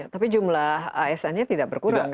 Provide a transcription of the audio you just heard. tapi jumlah asn nya tidak berkurang